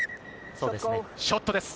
ショットです。